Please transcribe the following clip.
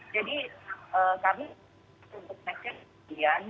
jadi kami untuk mekses kebijakan